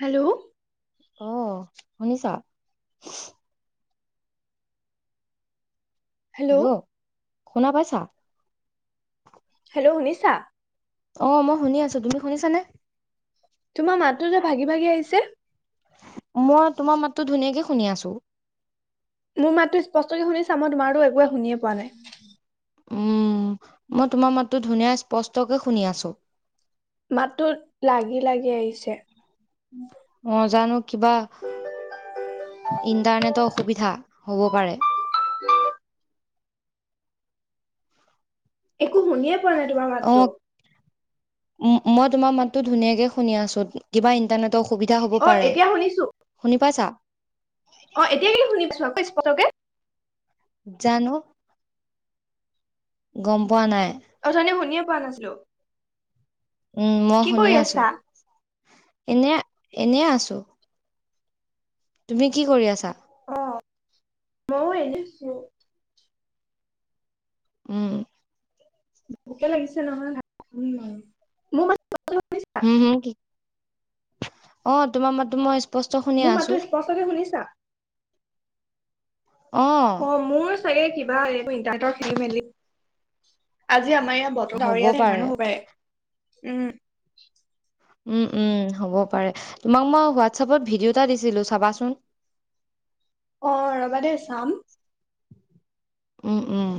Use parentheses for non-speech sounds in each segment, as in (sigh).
Hello অ শুনিছা hello শুনা পাইছা। হেল্ল' শুনিছা অঁ মই শুনি আছো তুমি শুনিছানে। তোমাৰ মাতটো যে ভাগি ভাগি আহিছে। টো ধুনীয়াকে শুনি আছো। মোৰ মাততো স্পষ্টকে শুনিছা মই তোমাৰটো একোৱে শুনিয়ে পো উম। মই তোমাৰ মাতটো ধুনীয়া স্পষ্টকে শুনি আছোঁ। মাততো লাগি লাগি আহিছে। অঁ জানো কিবা ইন্টাৰনেটৰ অসুবিধা। হ'ব পাৰে। অঁ একো শুনিয়ে পোৱা নাই তোমাৰ অ মাতটো। মই তোমাৰ মাততো ধুনীয়াকে শুনি আছো। কিবা ইন্টাৰনেটৰ সুবিধা হ'ব অ পাৰে এতিয়া শুনি পাইছা। অঁ এতিয়া কেলে শুনি পাইছোঁ আকৌ স্পষ্টকে। জানো গম পোৱা নাই। অথনি শুনিয়ে পোৱা নাছিলো। উম মই কি শুনি কৰি আছো। আছা এনে এনে আছো। তুমি কি কৰি আছা? অঁ মইয়ও এনেই আছোঁ। উম। ভোকে লাগিছে নহয় মোৰ মান হম হুম কি অঁ তোমাৰ মাত টো মই স্পষ্ট শুনি মোৰ আছো মাততো স্পষ্টকে শুনিছা। অ', অঁ মোৰ চাগে খিব নাই এইবোৰ ইণ্টাৰনেটৰ খেলি মেলি আ আজি আমাৰ ইয়াত বতৰ হ'ব ডাৱৰীয়া পাৰে। সেইকাৰণে ও হব পাৰে। উম উ উম হ'ব পাৰে তোমাক মই হোৱাটছএপত ভিডিঅ'টা দিছিলো চাবাচোন। অ ৰবা দে চাম, উম উম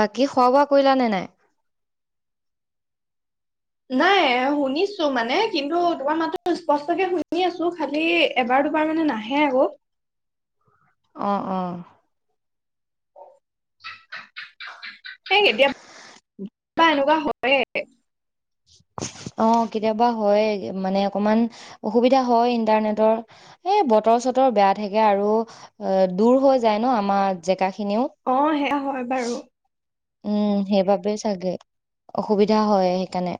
বাকী খোৱা বোৱা কৰিলা নে নাই? নাই শুনিছো মানে কিন্তু তোমাৰ মাত স্পষ্টকে শুনি আছো খালি এবাৰ দুবাৰ মানে নাহে আকৌ। অ অ সেই কেতিয়া বা এনেকুৱা হয়। হয় অ কেতিয়াবা হয় মানে অকমান অসুবিধা হয় ইন্টাৰনেটৰ এই বতৰ চতৰ বেয়া থাকে আৰু অ দূৰ হৈ যায় ন আমাৰ জেগা। খিনিও। অ সেয়া হয় বাৰু, উম সেইবাবেই চাগে অসুবিধা হয় সেইকাৰণে।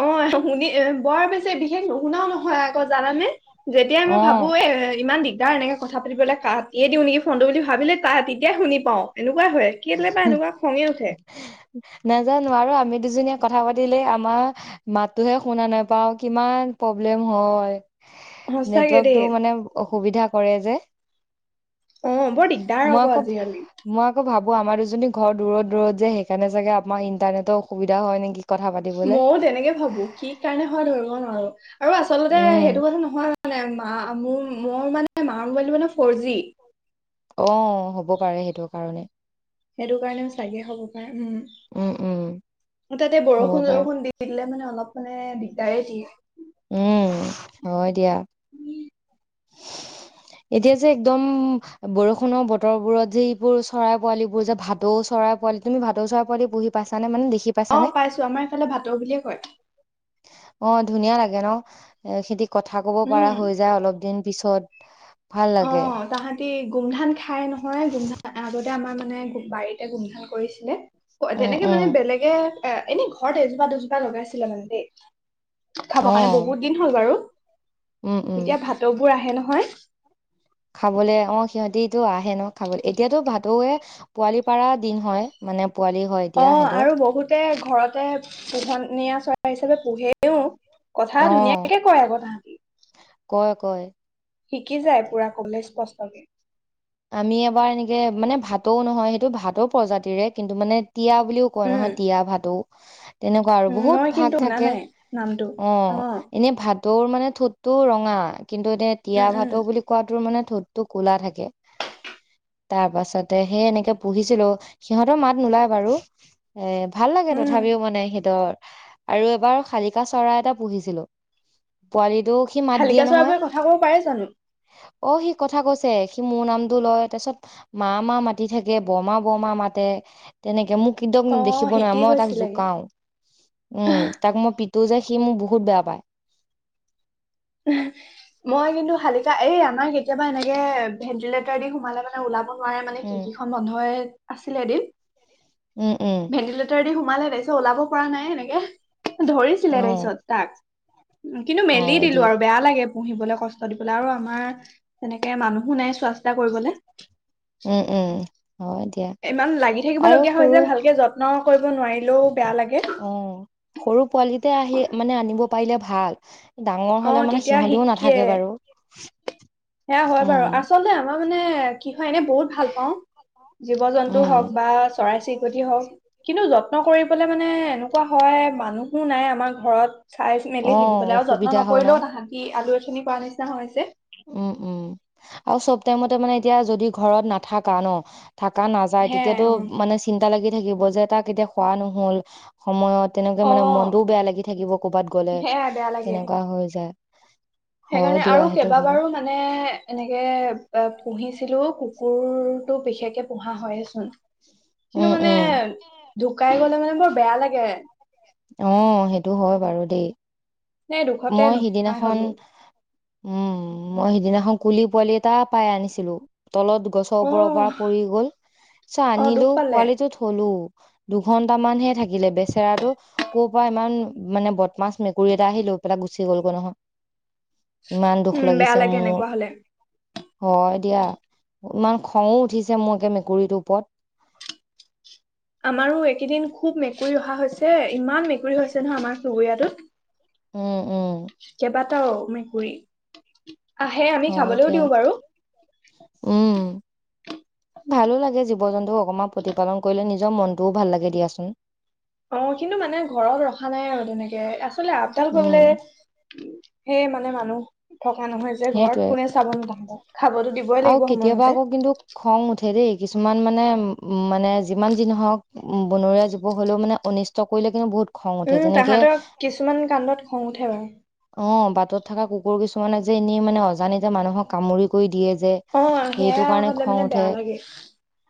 অ শুনি বৰ বেছি বিশেষ নুশুনাও নহয় আকৌ জানানে! যেতিয়াই মই ভাবো অ', এ ইমান দিগ দাৰ এনেকে কথা পাতিবলৈ কাটিয়ে দিওঁ নেকি ফোনটো বুলি ভাবিলে তাই তেতিয়াই শুনি পাওঁ এনেকুৱা হয় হে কেলে বা হে এনেকুৱা খঙে উঠে নাজানো আৰু আমি দুজনীয়া কথা পাতিলে আমাৰ মাতোহে শুনা নাপাও কিমান প্ৰব্লেম হয়। সঁচাকে দেই। নেটৱৰ্কটো মানে অসুবিধা কৰে যে অ বৰ দিগদাৰ মই আকৌ আজিকালি। মই আকৌ ভাবো আ আমাৰ দুজনী ঘৰ দূৰত দূৰত যে সেইকাৰোগে আমাৰ ইণ্টাৰনেটৰ অসুবিধা হয় নেকি! কথা পাতিবলে ময়ও তেনেকে ভাবো কি কাৰণে হয় ধৰিব নোৱাৰো। আৰু আচলতে উম সেইটো নহয় মানে। মোৰ মোৰ মানে মাৰ মোবাইলটো মানে ফ'ৰ জি! অ হ'ব পাৰে সেইটো কাৰণে সেইটো কাৰণেও চাগে হ'ব পাৰে উম তাতে হ'ব বৰষুণ পাৰে চৰষুণ দি দিলে মানে অলপ মানে দিগদাৰে দিয়ে। উম হয় দিয়া। এতিয়া যে একদম বৰষুণৰ বতৰ বোৰত যিবোৰ চৰাই পোৱালিব বোৰ যে ভাটৌ চৰাই পোৱালি তুমি ভাটৌ চৰাই পোৱালি পঢহি পাইছা নে মানে দে অ পাইছো আমাৰ এইফালে ভাটৌ বুলিয়ে কয়। অ ধুনীয়া লাগে ন খেতি কথা ক'ব পৰা উম হৈ যায় অলপ দিন তাৰ পিছত ভাল অ লাগে। তাহাঁতি গোমধান খাই নহয় গুমধান আগতে আমাৰ মানে বাৰীতে গোমধান কৰিছিলে। উম তেনেকে মানে উম বেলেগে এ এনেই ঘৰত এজোপা দুজোপা লগাইছিলে মানে দেই। খাব কাৰণে অ বহুত দিন হ'ল বাৰু। উম উম তেতিয়া ভাতৰ বোৰ আহে নহয়। খাবলে অঁ সিহঁতি। টো আহে ন খাবলৈ এতিয়াতো ভাতৌৱে পোৱালি পাৰা দিন হয়। মানে পোৱালি হয় এতিয়া অঁ সিহঁতৰ আৰু বহুতে ঘৰতে পোহনিয়া চৰাই। হিচাপে পুহেওঁ। কথা অ ধুনীয়াকে কয় আকৌ তাহতি। হয় শিকি যায় পুৰা কবলৈ স্পষ্টকে। আমি এবাৰ এনেকে মানে ভাতৌওঁ নহয় সেইটো ভাতৌ প্ৰজাতিৰে কিন্তু মানে তিৱা বুলিও কয় উম নহয় তিৱা ভাটৌ। তেনেকুৱা আৰু উম বহুত মই ভাগ কিন্তু শুনা থাকে। নাই নামটো অ এনে ভাত ভাটৌ ৰ মানে ঠোঁটটো ৰঙা। কিন্তু এটিয়া তিয়া উম উম ভাতৌ বুলি কোৱাটো মানে ঠোটটো ক'লা থাকে। তাৰ পাছতে সেই এনেকে পুহিছিলো সিহঁতৰ মাত নোলায় বাৰু এ ভাল লাগে উম তথাপিও মানে সিহঁতৰ। আৰু এবাৰ শালিকা চৰাই এটা পুহিছিলো পোৱালি। শালিকাচৰাই বোৰে কথা কব পাৰে জানো। অঁ সি কথা কৈছে। মোৰ নামটো লয় তাৰ পিছত মা মা মাতি থাকে বৰমা বৰমা মাতে তেনেকে মোক কিন্তক অ দেখিব শিকি নোৱাৰে মই তাক গৈছিলেগে জোকাও উম তাক মই প তোৰ যে সি মোক বহুত বেয়া পায়। মই কিন্তু শালিকা এই আমাৰ কেতিয়াবা এনেকে ভেন্টিলেটৰ দি সোমালে মানে ওলাব নোৱাৰে মানে উম খিৰিকীখন বন্ধই আছিলে এদিন। উম উম ভেন্টিলেটৰ দি সোমালে তাৰপাছত ওলাব পৰা নাই। এনেকে অ ধৰিছিলে তাৰপাছত তাক। কিন্তু মেলি হয় ছিলো দিয়া আৰু বেয়া লাগে পুহিবলে কষ্ট দিবলে আৰু আমাৰ তেনেকে মানুহো নাই চোৱা চিতা কৰিবলে। উম উম। হয় দিয়া ইমান লাগি থাকিব আৰু লগীয়া হয় যে ভালকে যত্ন কৰিব নোৱাৰিলেও বেয়া লাগে অঁ, সৰু পোৱালিতে আহি মানে আনিব পাৰিলে ভাল। ডাঙৰ অ হলে মানে তেতিয়া সিহঁতিও শিকে নাথাকে বাৰু। সেয়া হয় উম বাৰু আচলতে আমাৰ মানে কি হয় এনে বহুত ভাল পাওঁ জীৱ জন্তু উম হওঁক বা চৰাই চিৰিকটি হওক কিন্তু যত্ন কৰিবলে মানে এনেকুৱা হয় মানুহো নাই আমাৰ ঘৰত। চাই মেলি অ', থাকিবলে আৰু যত্ন অসুবিধা হয় ন? নকৰিলেও তাহাঁতি আলৈ আথানি কৰা নিচিনা হৈছে। উম উম আৰু চব টাইমতে মানে এতিয়া যদি ঘৰত নাথাকা ন' থাকা নাযায় সেয়াই তেতিয়াতো অ মানে চিন্তা লাগি থাকিব যে তাক এতিয়া খোৱা নহল সময়ত তেনেকে অ মানে মনটোও বেয়া লাগি থাকিব ক'বাত গ'লে সেয়াই বেয়া লাগে তেনেকুৱা হৈ যায়। হয় সেইকাৰণে দিয়া আৰু কে সেইটো বা হয়। বাৰো মানে এনেকে (unintelligible) পুহিছিলো কুকুৰতটো বিশেষকে পোহা হয়েচোন। কিন্তু উম, মানে উম। ঢুকাই গলে মানে বৰ বেয়া লাগে। অঁ, সেইটো হয় বাৰু দেই। ন দুখতে মই নুপূহাই সিদিনাখন হলো। উম, মই সিদিনাখন কুলি পোৱালি এটা পাই আনিছিলো। তলত গছৰ অ ওপৰৰ পৰা পৰি গ'ল চ অ আনিলো দুখ পালে পোৱালিটো থলো। দুঘন্টা মানহে থাকিলে বেচেৰাটো। ক'ৰ পৰা ইমান মানে বদমাছ মেকুৰী এটা আহি লৈ পেলাই গুচি গ'লগৈ নহয়। ইমান দুখ উম বেয়া লাগিছে লাগে মোৰ, এনেকুৱা হলে হয় দিয়া। ইমান খংঙো উঠিছে মোৰ একে মেকুৰীটোৰ ওপৰত। আমাৰো এইকেইদিন খুব মেকুৰী অহা হৈছে ইমান মেকুৰী হৈছে নহয় আমাৰ চুবুৰীয়াটোত। উম উম টাও মেকুৰী। আহে আমি হয় খাবলেও দিয়া দিওঁ বাৰু। উম ভালো লাগে জীৱ জন্তু অকমান প্ৰতিপালন কৰিলে নিজৰ মনটোও ভাল লাগে দিয়াচোন অঁ কিন্তু মানে ঘৰত ৰখা নাই আৰু তেনেকে আচলতে আপতাল কৰিবলে উম উম সেয়ে মানে মানুহ থকা নহয় যে ঘৰত সেইটোয়ে কোনে চাব নো তাহাঁতক খাবতো দিবই আৰু লাগিব কেতিয়াবা সময়মতে আকৌ কিন্তু খং উঠে দেই কিছুমান মানে উম মানে যিমান যি নহওঁক উম বনৰীয়া জীৱ হ'লেও মানে অনিষ্ট কৰিলে কিন্তু বহুত খং উঠে উম যেনেকে তাহাঁতৰ কিছুমান কান্দত খং উঠে বাৰু তত থকা কুকুৰ কিছুমানে যে এনেই মানে অজানিতে মানুহক কামুৰি কৰি দিয়ে যে যে অ সেইটো সেয়া কাৰণে হলে খং মানে উঠে বেয়া লাগে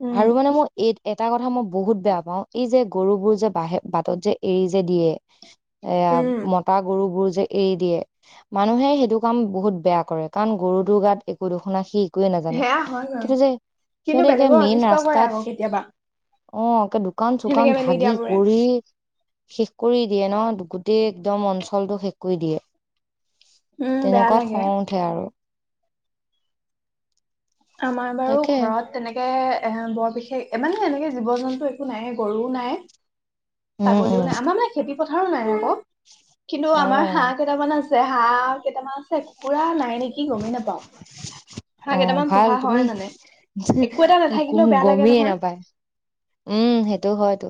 উম আৰু মানে মোৰ এই এটা কথা মই বহুত বেয়া পাওঁ এই যে গৰুবোৰ যে বাহে বাটত যে এৰি যে দিয়ে এয়া উম মতা গৰুবোৰ যে এৰি দিয়ে মানুহে সেইটো কাম বহুত বেয়া কৰে কাৰণ গৰুটোৰ গাত একো দুখ নাই সি একোৱে নেজানে সেয়া হয় বাৰু কিন্তু যে কিন্তু সিহঁতে এতিয়া বেলেগৰ মেইন অনিষ্ট কৰে আকৌ ৰাস্তাত কেতিয়াবা অঁ একে দোক দোকান সেনেকে চোকান মেলি ভাগি দিয়াবোৰে কৰি শেষ কৰি দিয়ে ন গোটেই একদম অঞ্চলটো শেষ কৰি দিয়ে উম বেয়া তেনেকুৱাত লাগে খং উঠে আৰু আমাৰ বাৰু তাকে ঘৰত তেনেকে এ বৰ বিশে বিশেষ মানে এনেকে জীৱ জন্তু একো নায়ে গৰুও নাই উম উম ছাগলীও নাই আমাৰ মানে খেতি পথাৰো নাই আক কিন্তু আমাৰ অ', হাঁহ কেইটামান আছে হাঁহ কেইটামান চেকুৰা নাই নেকি গমেই নেপাওঁ হাঁহ অ', কেইটামান ভাল পোহা তুমি হয় মানে হি একো এটা গ নাথাকিলেও বেয়া লাগে গমিয়ে নহয় নাপায় উম সেইটো হয়তো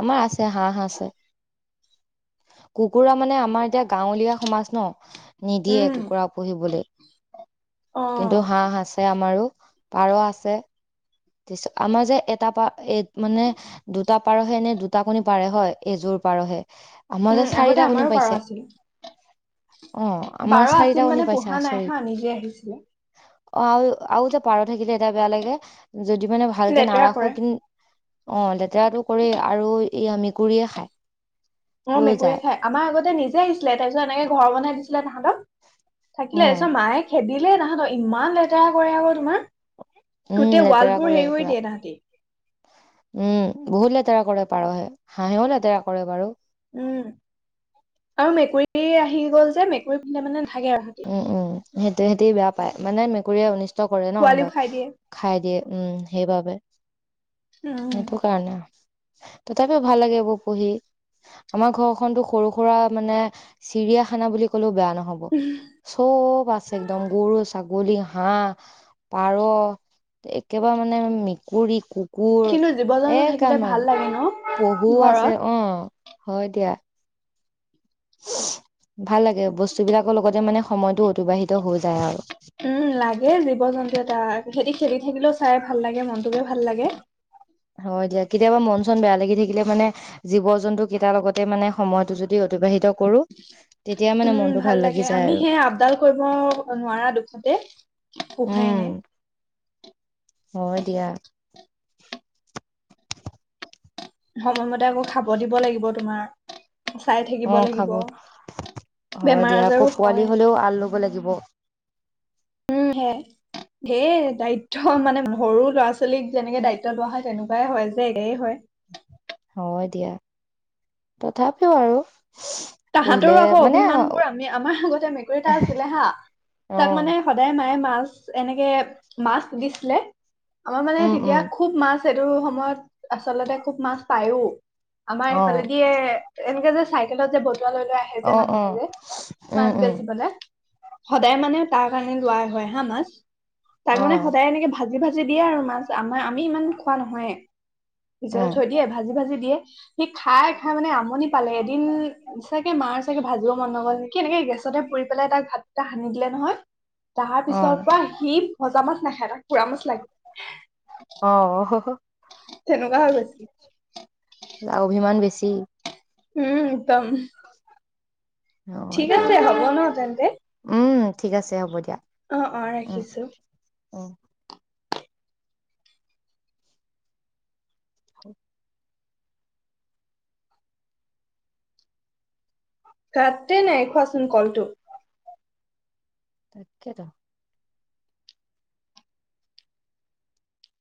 আমাৰ আছে হাঁহ আছে কুকুৰা মানে আমাৰ এতিয়া গাঁৱলীয়া সমাজ ন নিদিয়ে উম কুকুৰা পুহিবলে অ কিন্তু হাঁহ আছে আমাৰো পাৰ আছে আমাৰ যে এটা পা এই মানে দুটা পাৰহে নে দুটা কণি পাৰে হয় এযোৰ পাৰহে আমাৰ উম যে আগতে চাৰিটা কণী আমাৰো পাৰ পাইছে আছিল অ', আমাৰ পাৰ চাৰিটা আছিল কণী মানে পাইছে পোহা নাই হা নিজে আহিছিলে অঁ আৰু আৰু যে পাৰ থাকিলে এটা বেয়া লাগে যদি মানে ভালকে লেতেৰা নাৰাখো কৰে কিন্তু অঁ লেতেৰাটো কৰে আৰু এয়া মেকুৰিয়ে খায় অহ লৈ যায় মেকুৰীয়ে খাই আমাৰ আগতে নিজে আহিছিলে তাৰ পিছত এনেকে ঘৰ বনাই দিছিল। ছিলে তাহাতক। থাকিলে উম চ মায়ে খেদিলে তাহাতক ইমান লেতেৰা কৰে আকৌ তোমাৰ। উম', গোটেই ৱাল লেতেৰা বোৰ কৰে হেৰি কৰি পুৰা দিয়ে তাহাঁতি উম ', বহুত লেতে লেতেৰা কৰে পাৰহে হাঁহেও লেতেৰা কৰে বাৰু উম', আৰু মেকুৰীও এই আহি গ'ল যে মেকুৰী পিলে মানে। নাথাকে আৰু তাহাঁতি উম - উম সেইটো সিহঁতে বেয়া পায় মানে মেকুৰী অনিচিত কষ্ট কৰে ন পোৱালি খাই দিয়ে সেত খাই দিয়ে উম ', সেইবাবে উম সেইটো কাৰণে তথাপিও ভাল লাগে এইবোৰ পঢ়ি আমাৰ ঘৰখনতো সৰু -সুৰা মানে চিৰিয়াখানা বুলি ক'লেও বেয়া নহয়। চব আছে একদম গৰু, ছাগল বগলি হাঁহ পাৰ একেবাৰে মানে মেকুৰী কুকু কিন্তু জীৱ কোৰ জন্তু এহ থাকিলে ভাল কামান লাগে ন পহু ঘৰত আছে অহ। হয় দিয়া। ভাল লাগে বস্তু বিলাকৰ লগতে মানে। সময়টো অতিবাহিত হৈ যায় আৰু উম', লাগে জীৱ জন্তু এটা সেতি খেলি থাকিলেও। চাই ভাল লাগে মনটোকে ভাল লাগে। হয় দিয়া কেতিয়াবা মন চন বেয়া লাগি থাকিলে মানে জীৱ জন্তু কেইটাৰ লগতে মানে সময়তটো যদি অতিবাহিত। কৰো তেতিয়া মানে উম', মনটো ভাল লাগি লাগে যায় আমি আৰু সেয়া আপডাল কৰিব নোৱাৰা দুখতে পুহাই উম নাই। হয় দিয়া। সময়মতে আকৌ খাব দিব লাগিব তোমাৰ। চাই থাকিব অহ ', লাগিব খাব হয় বেমাৰ দিয়া আকৌ আজাৰো পোৱালি হয় হলেও আল লব লাগিব। উম', সেয় হে ধেৰ দায়িত্ব মানে সৰু ল'ৰা ছোৱালীক যেনেকে দায়িত্ব লোৱা হয় তেনেকুৱাই হয় যে একেই হয়। হয় দিয়া তথাপিও আৰু। পুহিলে তাহাঁতৰো আকৌ মানে অভিমান বোৰ আমি আমাৰ আগতে মেকুৰীতটা আছিলে হা অ তাক মানে সদায় মায়ে। মাছ এনেকে মাছ দিছিলে। আমাৰ মানে উম তেতিয়া উম খুব মাছ। সেইটো সময়ত আচলতে খুব মাছ পায়ও। আমাৰ অ এইফালেদিয়ে এনেকে যে চাই। কেলে যে বস্তু তালৈ লৈ আহে যে অ অ মানুহে যে উম মাছ উম বেচিবলৈ। সদায় মানে তাৰ কাৰণে লোৱাই হয় হা মাছ তাক অ মানে সদায় এনেকে ভাল ভাজি ভাজি দিয়ে আৰু মাছ আমাৰ আমি ইমান খোৱা নহয় নিজতে উম থৈ দিয়ে ভাজি ভাজি দিয়ে সি খাই খাই মানে আমনি পালে এদিন চাগে মাৰ চাগে ভাজিব মন নগল নেকি এনেকে গেছতে পুৰি পেলাই তাক ভাত এটা সানি দিলে নহয় তাৰ পিছৰ অ পৰা সি ভজা মাছ নাখে তাক পুৰা মাছ লাগে অ তেনেকুৱা হৈ গৈছে অভিমান বেছি উম উম অ ঠিক এতিয়া আছে হ'ব ন তেন্তে উম ঠিক আছে হ'ব দিয়া অঁঅঁৰাখিছো অঁ কাটে নাই খোৱাচোন কলটোপ তাকেত